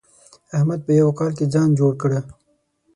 احمد په يوه کال کې ځان جوړ کړ.